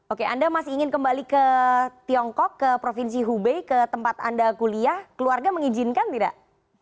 oke anda masih ingin kembali ke tiongkok ke provinsi hubei ke tempat anda kuliah keluarga mengizinkan tidak